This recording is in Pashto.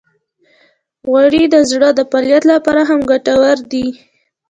غوړې د زړه د فعالیت لپاره هم ګټورې دي.